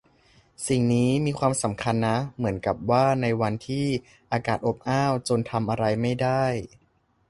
สิ่งนี้มีความสำคัญนะ เหมือนกับว่าในวันที่อากาศอบอ้าวจนทำอะไรไม่ได้